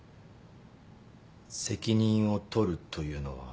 責任を取るというのはどういう。